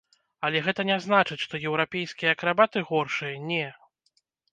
Але гэта не значыць, што еўрапейскія акрабаты горшыя, не!